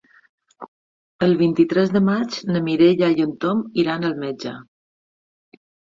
El vint-i-tres de maig na Mireia i en Tom iran al metge.